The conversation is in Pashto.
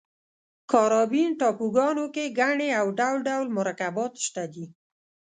کارابین ټاپوګانو کې ګني او ډول ډول مرکبات شته دي.